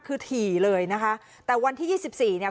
คือถี่เลยนะคะแต่วันที่ยี่สิบสี่เนี่ย